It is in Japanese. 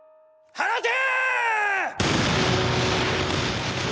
放て！